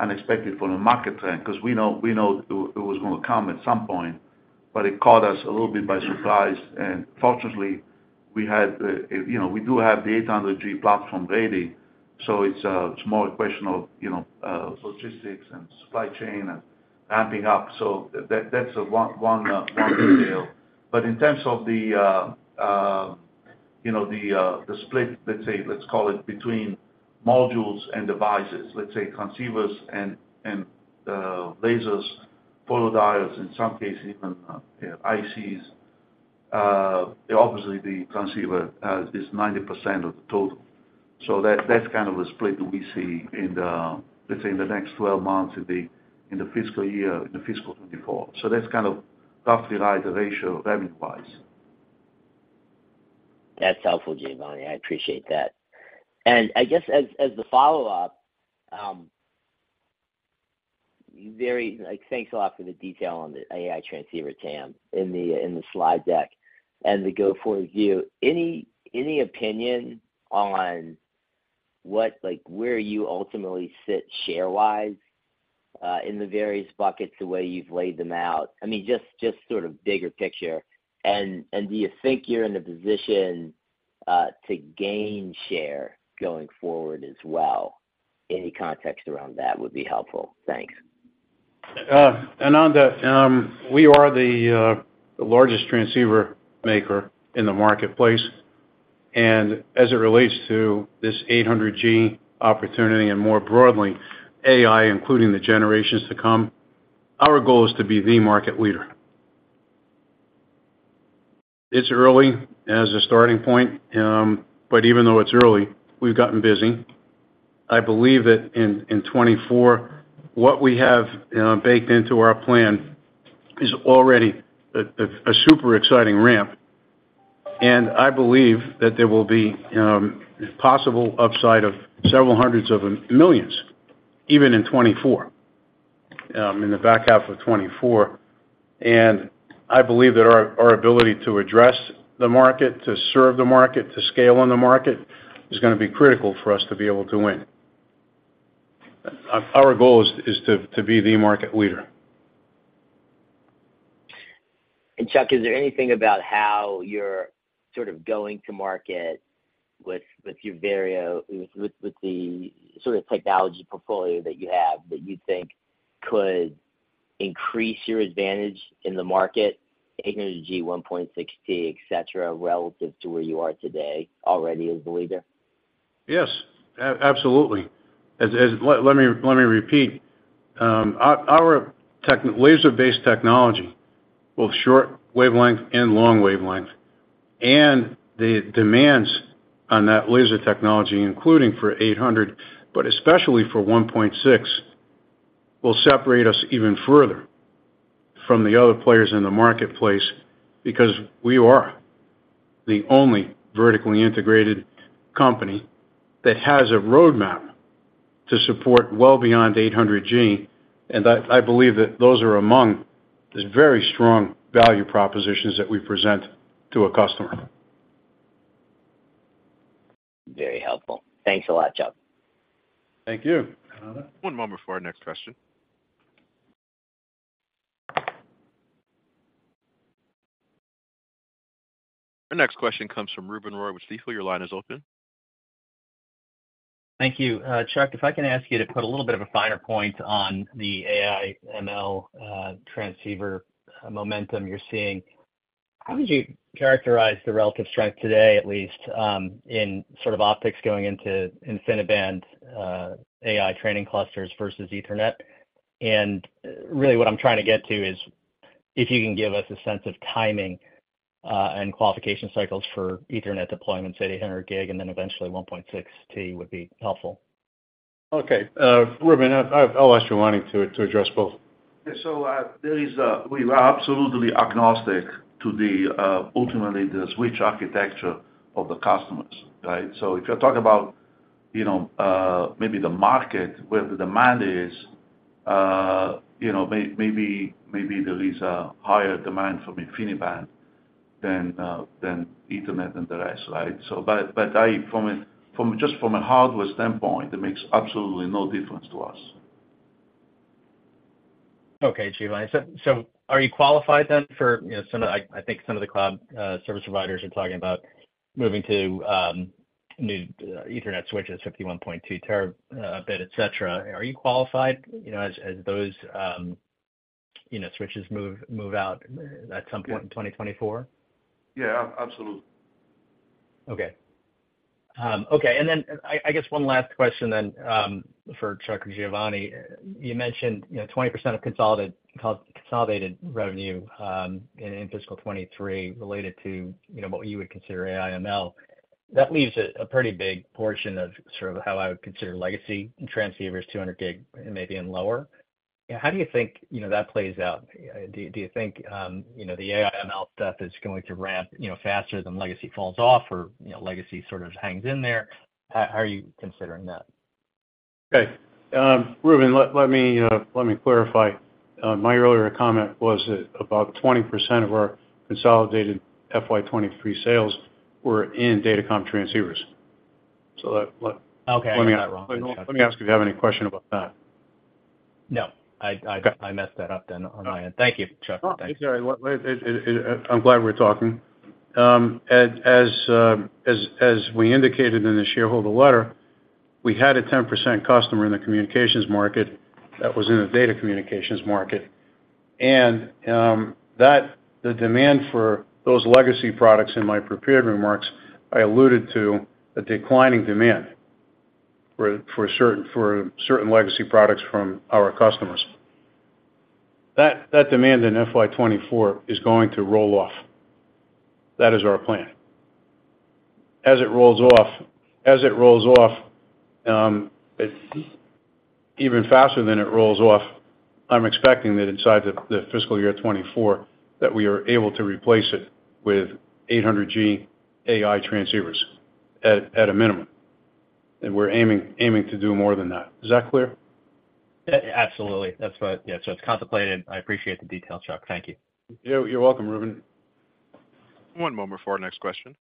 unexpected from a market trend. 'Cause we know, we know it, it was gonna come at some point, but it caught us a little bit by surprise, and fortunately, we had, you know, we do have the 800G platform ready, so it's more a question of, you know, logistics and supply chain and ramping up. That's a one, one, one detail. In terms of the, you know, the split, let's say, let's call it between modules and devices, let's say transceivers and, and lasers, photodiodes, in some cases even ICs, obviously, the transceiver is 90% of the total. That's kind of the split that we see in the, let's say, in the next 12 months, in the, in the fiscal year, in the fiscal FY24. That's kind of roughly right, the ratio, revenue-wise. That's helpful, Giovanni. I appreciate that. I guess as, as the follow-up, like, thanks a lot for the detail on the AI transceiver TAM in the, in the slide deck and the go-forward view. Any, any opinion on what-- like, where you ultimately sit share-wise, in the various buckets, the way you've laid them out? I mean, just, just sort of bigger picture. Do you think you're in a position to gain share going forward as well? Any context around that would be helpful. Thanks. Ananda, we are the largest transceiver maker in the marketplace, and as it relates to this 800G opportunity and more broadly, AI, including the generations to come, our goal is to be the market leader. It's early as a starting point, but even though it's early, we've gotten busy. I believe that in 2024, what we have baked into our plan is already a super exciting ramp. I believe that there will be possible upside of several hundreds of millions, even in 2024, in the back half of 2024. I believe that our ability to address the market, to serve the market, to scale on the market, is gonna be critical for us to be able to win. Our goal is to be the market leader. Chuck, is there anything about how you're sort of going to market with the sort of technology portfolio that you have, that you think could increase your advantage in the market, ignoring the 1.6T, et cetera, relative to where you are today already as the leader? Yes, absolutely. As let me repeat. Our laser-based technology, both short wavelength and long wavelength, and the demands on that laser technology, including for 800, but especially for 1.6, will separate us even further from the other players in the marketplace, because we are the only vertically integrated company that has a roadmap to support well beyond 800G. I, I believe that those are among the very strong value propositions that we present to a customer. Very helpful. Thanks a lot, Chuck. Thank you. One moment before our next question. Our next question comes from Ruben Roy with Stifel. Your line is open. Thank you. Chuck, if I can ask you to put a little bit of a finer point on the AI/ML transceiver momentum you're seeing, how would you characterize the relative strength today, at least, in sort of optics going into InfiniBand AI training clusters versus Ethernet? Really what I'm trying to get to is, if you can give us a sense of timing and qualification cycles for Ethernet deployments at 800G, and then eventually 1.6T, would be helpful. Okay. Ruben, I, I'll ask Giovanni to, to address both. Yeah. There is we are absolutely agnostic to the, ultimately, the switch architecture of the customers, right? If you're talking about, you know, maybe the market, where the demand is, you know, maybe, maybe there is a higher demand from InfiniBand than, than Ethernet and the rest, right? But, but from just from a hardware standpoint, it makes absolutely no difference to us. Okay, Giovanni. Are you qualified then for, you know, some of the, I, I think some of the cloud service providers are talking about moving to new Ethernet switches, 51.2 terabit, et cetera? Are you qualified, you know, as those, you know, switches move out at some point in 2024? Yeah, absolutely. Okay. Okay, I guess one last question for Chuck or Giovanni. You mentioned, you know, 20% of consolidated revenue in FY23, related to, you know, what you would consider AI/ML. That leaves a pretty big portion of sort of how I would consider legacy transceivers, 200G, maybe and lower. How do you think, you know, that plays out? Do you think, you know, the AI/ML stuff is going to ramp, you know, faster than legacy falls off or, you know, legacy sort of hangs in there? How are you considering that? Okay. Ruben, let me clarify. My earlier comment was that about 20% of our consolidated FY23 sales were in datacom transceivers. Okay, I got it wrong. Let me ask you if you have any question about that. No, I. Okay. I messed that up then on my end. Thank you, Chuck. Oh, it's all right. Well, I'm glad we're talking. As we indicated in the shareholder letter, we had a 10% customer in the communications market that was in the data communications market. The demand for those legacy products in my prepared remarks, I alluded to a declining demand for certain legacy products from our customers. That demand in FY24 is going to roll off. That is our plan. As it rolls off, even faster than it rolls off, I'm expecting that inside the fiscal year 2024, that we are able to replace it with 800G AI transceivers at a minimum. We're aiming to do more than that. Is that clear? Absolutely. That's what... Yeah, it's contemplated. I appreciate the detail, Chuck. Thank you. You're, you're welcome, Ruben. One moment for our next question.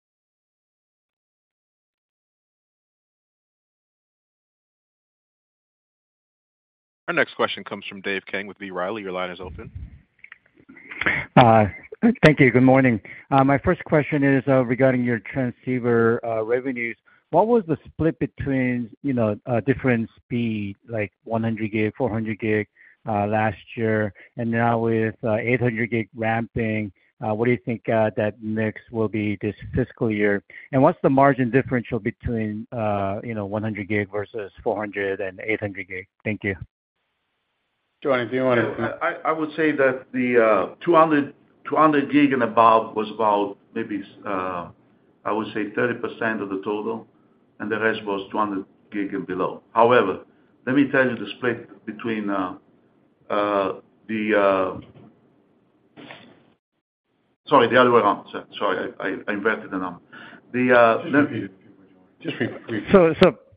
Our next question comes from Dave Kang with B. Riley. Your line is open. Thank you. Good morning. My first question is regarding your transceiver revenues. What was the split between a different speed, like 100 gig, 400 gig, last year? Now with 800 gig ramping, what do you think that mix will be this fiscal year? What's the margin differential between 100 gig versus 400 and 800 gig? Thank you. Giovanni, do you want to- I would say that the 200, 200 gig and above was about maybe, I would say, 30% of the total, and the rest was 200 gig and below. However, let me tell you the split between... the, sorry, the other way around. Sorry, I inverted the number. Just repeat it. Just repeat. So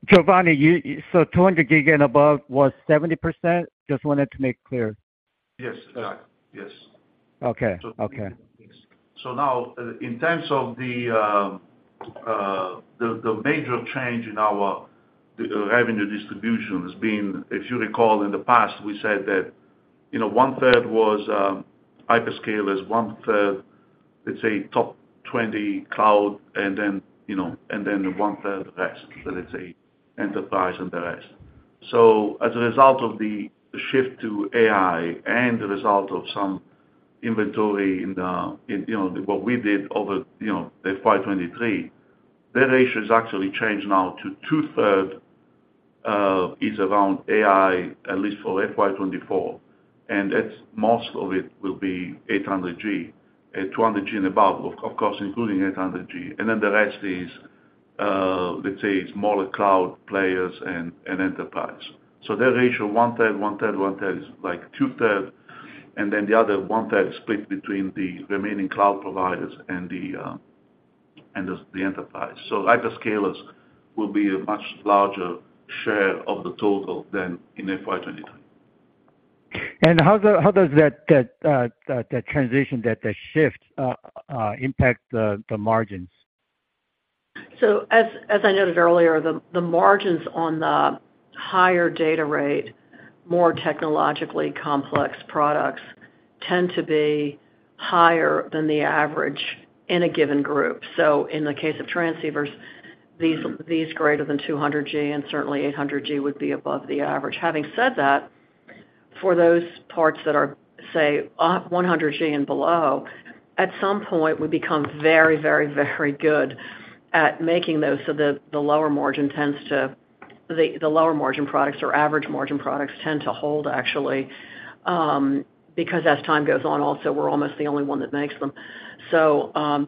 Giovanni, you, so 200 gig and above was 70%? Just wanted to make clear. Yes, exactly. Yes. Okay. Okay. Now, in terms of the, the major change in our revenue distribution has been, if you recall in the past, we said that, you know, one-third was hyperscalers, one-third, let's say, top 20 cloud, and then, you know, and then one-third rest, let's say, enterprise and the rest. As a result of the shift to AI and the result of some inventory in the, in, you know, what we did over, you know, the FY23, that ratio has actually changed now to two-third is around AI, at least for FY24, and it's most of it will be 800G, 200G and above, of course, including 800G. The rest is, let's say, it's more cloud players and, and enterprise. That ratio, 1/3, 1/3, 1/3, is like 2/3, and then the other 1/3 split between the remaining cloud providers and the enterprise. Hyperscalers will be a much larger share of the total than in FY23. How does, how does that, that, that transition, that, the shift, impact the, the margins? As, as I noted earlier, the, the margins on the higher data rate, more technologically complex products tend to be higher than the average in a given group. In the case of transceivers, these, these greater than 200G and certainly 800G would be above the average. Having said that, for those parts that are, say, 100G and below, at some point would become very, very, very good at making those so the, the lower margin products or average margin products tend to hold, actually, because as time goes on, also, we're almost the only one that makes them.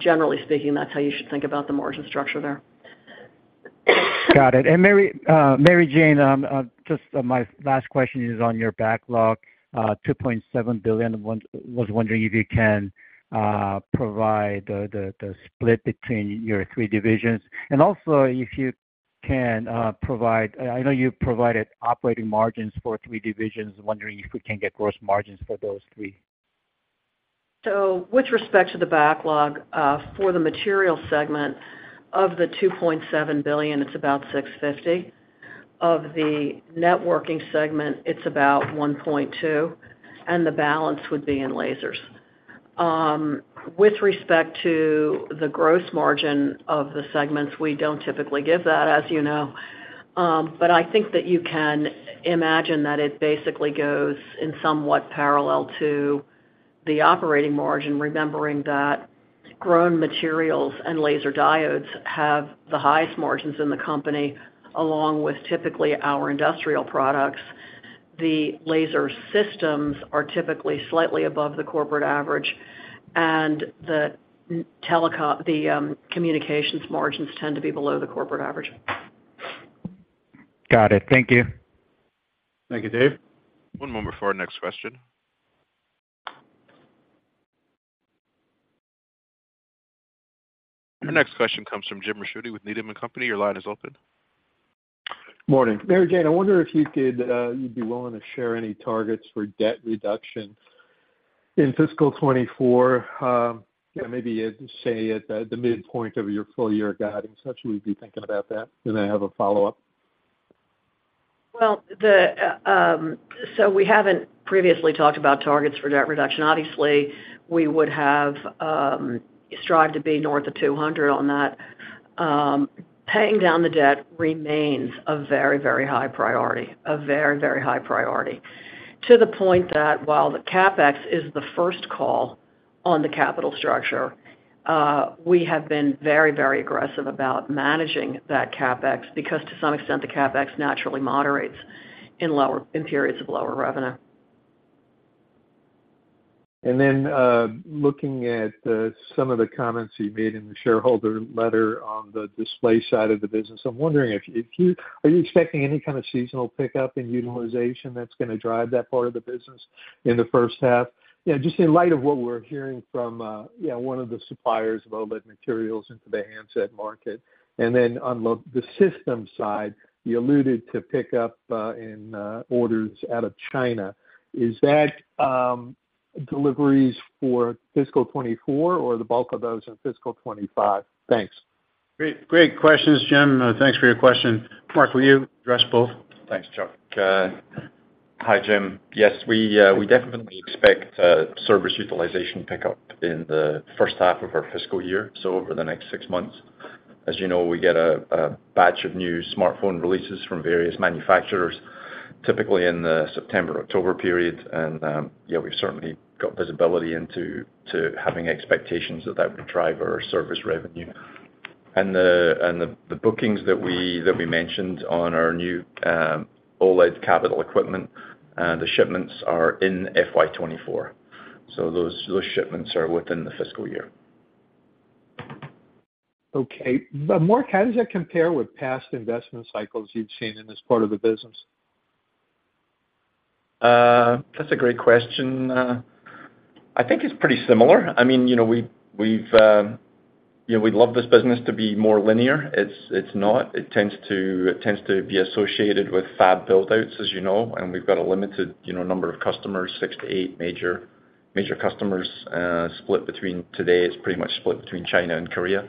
Generally speaking, that's how you should think about the margin structure there. Got it. Mary Jane, just my last question is on your backlog, $2.7 billion. I was wondering if you can provide the split between your three divisions, and also if you can provide. I know you provided operating margins for three divisions. I'm wondering if we can get gross margins for those three. With respect to the backlog, for the material segment, of the $2.7 billion, it's about $650 million. Of the networking segment, it's about $1.2 billion, and the balance would be in lasers. With respect to the gross margin of the segments, we don't typically give that, as you know. I think that you can imagine that it basically goes in somewhat parallel to the operating margin, remembering that grown materials and laser diodes have the highest margins in the company, along with typically our industrial products. The laser systems are typically slightly above the corporate average, and the telecom-- the communications margins tend to be below the corporate average. Got it. Thank you. Thank you, Dave. One moment before our next question. Our next question comes from James Ricchiuti with Needham & Company. Your line is open. Morning. Mary Jane, I wonder if you could, you'd be willing to share any targets for debt reduction in fiscal 2024. You know, maybe at, say, at the midpoint of your full year guidance, how should we be thinking about that? I have a follow-up. Well, we haven't previously talked about targets for debt reduction. Obviously, we would have strived to be north of 200 on that. Paying down the debt remains a very, very high priority, a very, very high priority. To the point that while the CapEx is the first call on the capital structure, we have been very, very aggressive about managing that CapEx, because to some extent, the CapEx naturally moderates in periods of lower revenue. Looking at the comments you made in the shareholder letter on the display side of the business, I'm wondering if you are expecting any kind of seasonal pickup in utilization that's going to drive that part of the business in the first half? You know, just in light of what we're hearing from, you know, one of the suppliers of OLED materials into the handset market. On the system side, you alluded to pick up in orders out of China. Is that deliveries for fiscal 2024 or the bulk of those in fiscal 2025? Thanks. Great. Great questions, Jim. Thanks for your question. Mark, will you address both? Thanks, Chuck. Hi, Jim. Yes, we definitely expect service utilization pickup in the first half of our fiscal year, so over the next six months. As you know, we get a batch of new smartphone releases from various manufacturers, typically in the September-October period. Yeah, we've certainly got visibility into having expectations that, that would drive our service revenue. The bookings that we mentioned on our new OLED capital equipment, the shipments are in FY24. Those, those shipments are within the fiscal year. Okay. Mark, how does that compare with past investment cycles you've seen in this part of the business? That's a great question. I think it's pretty similar. I mean, you know, we've, we've, you know, we'd love this business to be more linear. It's, it's not. It tends to, it tends to be associated with fab build-outs, as you know, and we've got a limited, you know, number of customers, six to eight major, major customers, split between today. It's pretty much split between China and Korea.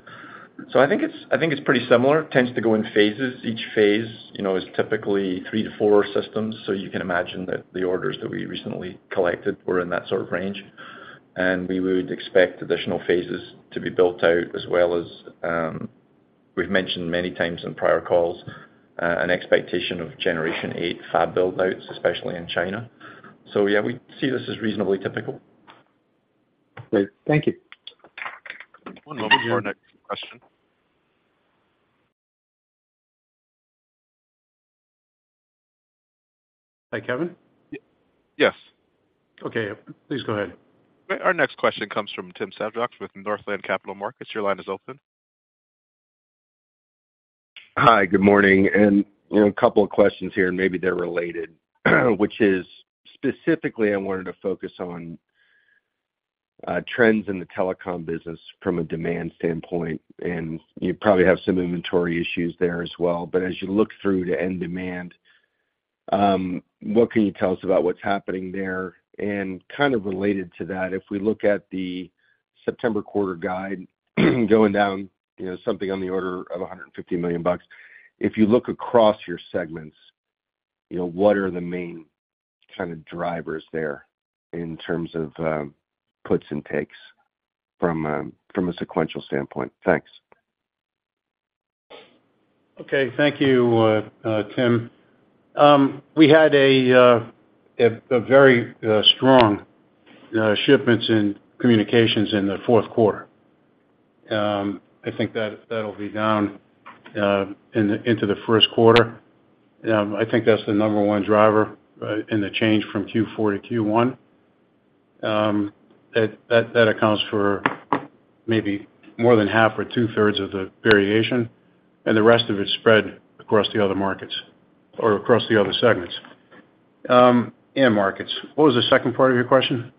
I think it's, I think it's pretty similar, tends to go in phases. Each phase, you know, is typically three to four systems, so you can imagine that the orders that we recently collected were in that sort of range. We would expect additional phases to be built out, as well as, we've mentioned many times in prior calls, an expectation of generation eight fab build-outs, especially in China. Yeah, we see this as reasonably typical. Great. Thank you. one moment for our next question. Hi, Kevin? Yes. Okay, please go ahead. Our next question comes from Tim Savageaux with Northland Capital Markets. Your line is open. Hi, good morning. You know, a couple of questions here, and maybe they're related, which is, specifically, I wanted to focus on trends in the telecom business from a demand standpoint, and you probably have some inventory issues there as well. As you look through to end demand, what can you tell us about what's happening there? Kind of related to that, if we look at the September quarter guide going down, you know, something on the order of $150 million, if you look across your segments, you know, what are the main kind of drivers there in terms of puts and takes from a sequential standpoint? Thanks. Okay, thank you, Tim. We had a very strong shipments in communications in the 4th quarter. I think that, that'll be down in the 1st quarter. I think that's the number one driver in the change from Q4-Q1. That, that, that accounts for maybe more than half or 2/3 of the variation, and the rest of it's spread across the other markets, or across the other segments, and markets. What was the second part of your question?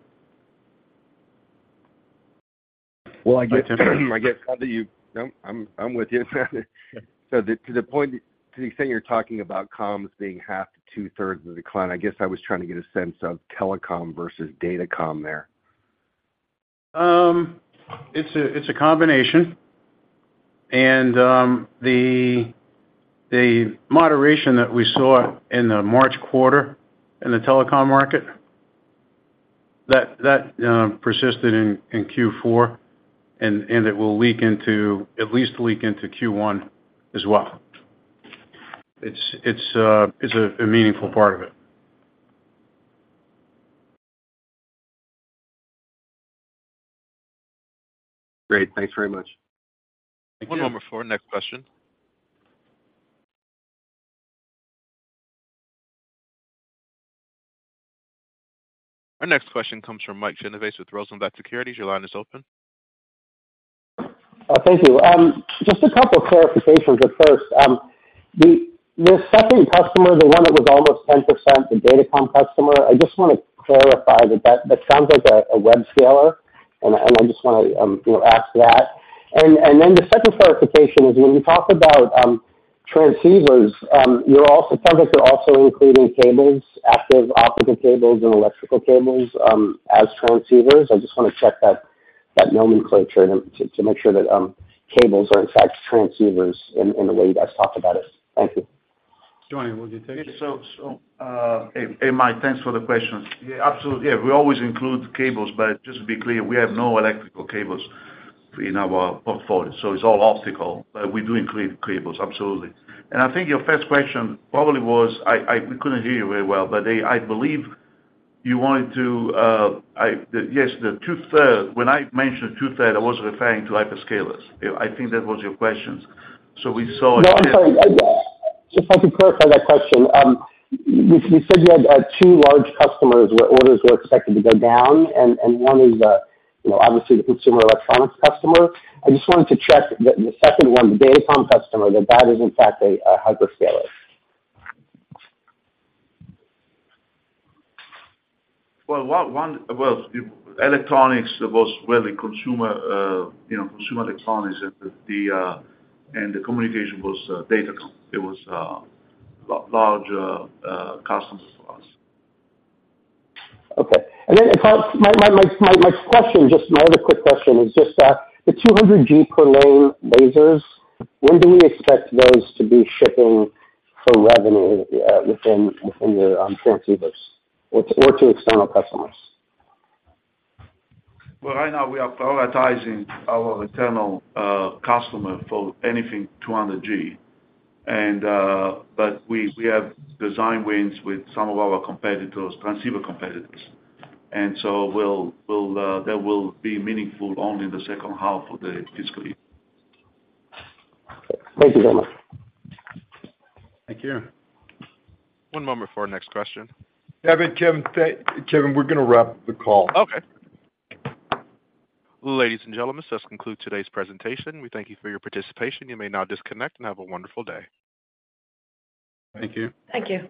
Well, I guess, I get you. No, I'm, I'm with you. To the point, to the extent you're talking about comms being half to two-thirds of the decline, I guess I was trying to get a sense of telecom versus datacom there. It's a, it's a combination, and the moderation that we saw in the March quarter in the telecom market, that persisted in Q4, and it will leak into, at least leak into Q1 as well. It's a, it's a meaningful part of it. Great. Thanks very much. One moment for our next question. Our next question comes from Mike Genovese with Rosenblatt Securities. Your line is open. Thank you. Just a couple of clarifications at first. The second customer, the one that was almost 10%, the datacom customer, I just want to clarify that that sounds like a webscaler, and I just want to, you know, ask that. Then the second clarification is when you talk about transceivers, sounds like you're also including cables, active optical cables and electrical cables, as transceivers. I just want to check that nomenclature to make sure that cables are in fact transceivers in the way you guys talk about it. Thank you. Giovanni, would you take it? Hey, hey, Mike, thanks for the question. Yeah, absolutely. Yeah, we always include cables, but just to be clear, we have no electrical cables in our portfolio, so it's all optical. We do include cables, absolutely. I think your first question probably was. I, we couldn't hear you very well, but I believe you wanted to, yes, the two-third. When I mentioned two-third, I was referring to hyperscalers. I think that was your question. No, I'm sorry. If I could clarify that question. You, you said you had two large customers where orders were expected to go down, and, and one is the, you know, obviously the consumer electronics customer. I just wanted to check that the second one, the datacom customer, that that is in fact a, a hyperscaler. Well, electronics was really consumer, you know, consumer electronics, and the communication was datacom. It was large customers to us. Okay. Then my next question, my other quick question is the 200G per lane lasers, when do we expect those to be shipping for revenue, within the transceivers or to external customers? Well, right now we are prioritizing our internal customer for anything 200G. We, we have design wins with some of our competitors, transceiver competitors. We'll, we'll that will be meaningful only in the second half of the fiscal year. Thank you very much. Thank you. 1 moment for our next question. Kevin, Kim, Kevin, we're going to wrap the call. Okay. Ladies and gentlemen, this concludes today's presentation. We thank you for your participation. You may now disconnect and have a wonderful day. Thank you. Thank you.